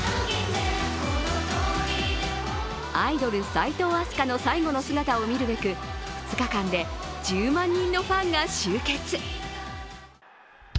アイドル・齋藤飛鳥の最後の姿を見るべく２日間で１０万人のファンが集結。